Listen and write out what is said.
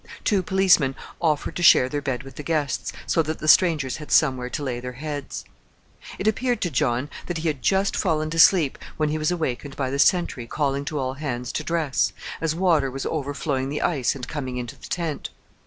Two policemen offered to share their bed with the guests, so that the strangers had somewhere to lay their heads. It appeared to John that he had just fallen to sleep when he was awakened by the sentry calling to all hands to dress, as water was overflowing the ice and coming into the tent.